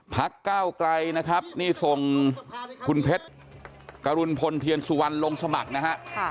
พักก้าวไกลนะครับนี่ส่งคุณเพชรกรุณพลเทียนสุวรรณลงสมัครนะฮะ